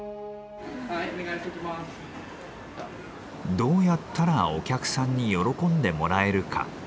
「どうやったらお客さんに喜んでもらえるか」。